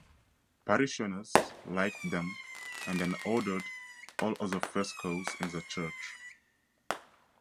Parishioners liked them and then ordered all other frescoes in the church.